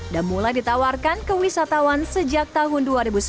dan mulai ditawarkan kewisatawan sejak tahun dua ribu sembilan